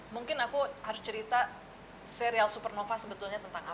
mungkin aku harus cerita serial supernova sebetulnya tentang apa